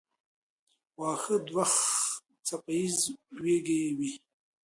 واښه دوه څپه ایزه وییکي دي.